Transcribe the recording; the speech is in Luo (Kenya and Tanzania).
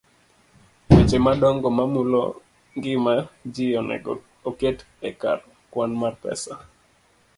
Weche madongo mamulo ngima ji onego oket e kar kwan mar pesa